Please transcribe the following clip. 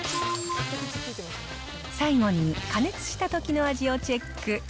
最後に加熱したときの味をチェック。